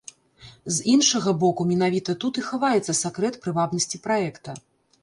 З іншага боку, менавіта тут і хаваецца сакрэт прывабнасці праекта.